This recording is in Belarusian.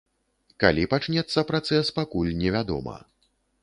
Калі пачнецца працэс, пакуль невядома.